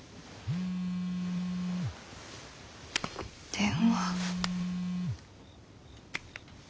電話。